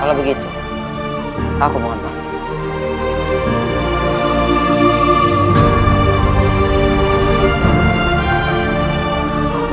kalau begitu aku mohon bangkit